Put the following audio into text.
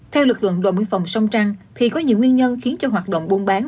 theo lực lượng đồn biên phòng sông trăng thì có nhiều nguyên nhân khiến cho hoạt động buôn bán